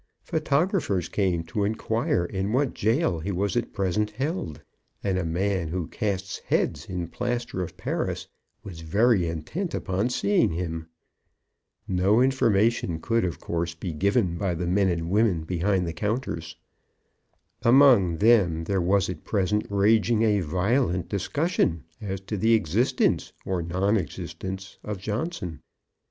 Photographers came to inquire in what gaol he was at present held, and a man who casts heads in plaster of Paris was very intent upon seeing him. No information could, of course, be given by the men and women behind the counters. Among them there was at present raging a violent discussion as to the existence or non existence of Johnson.